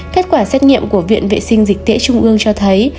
kết quả xét nghiệm của viện vệ sinh dịch tễ trung ương cho thấy